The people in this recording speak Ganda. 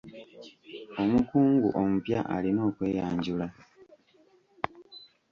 Omukungu omupya alina okweyanjula.